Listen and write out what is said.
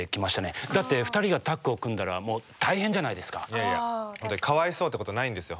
いやいやかわいそうってことないんですよ